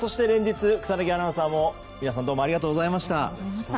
連日、草薙アナウンサーも皆さんどうもありがとうございました。